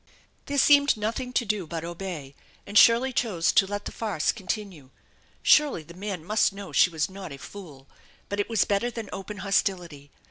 There seemed nothing to do but obey, and Shirley chose to let the farce continue. Surely the man must know she was not a fool, but it was better than open hostility.